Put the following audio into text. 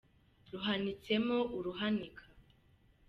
Ruhanitsemo uruhanika